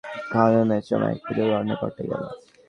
বাড়ির কাজ করতে গিয়ে মাটি খননের সময় একটা দুর্ঘটনা ঘটে গেল।